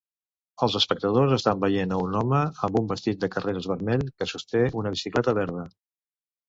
Els espectadors estan veient a un home amb un vestit de carreres vermell que sosté una bicicleta verda.